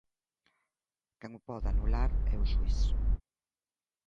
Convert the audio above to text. Quen o pode anular é o xuíz.